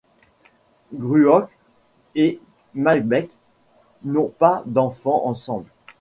Gruoch et Macbeth n'ont pas d'enfants ensemble.